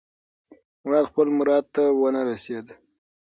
مراد خپل مراد ته ونه رسېد.